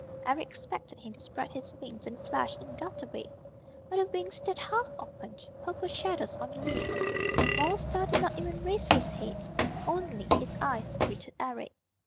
Eric expected him to spread his wings in a flash and dart away. But the wings stayed half open, purple shadows on the leaves, and Wild Star did not even raise his head. Only his eyes greeted Eric.